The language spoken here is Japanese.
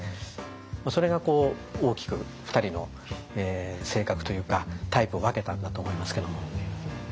それが大きく２人の性格というかタイプを分けたんだと思いますけども。